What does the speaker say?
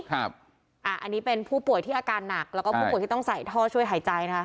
อันนี้เป็นผู้ป่วยที่อาการหนักแล้วก็ผู้ป่วยที่ต้องใส่ท่อช่วยหายใจนะคะ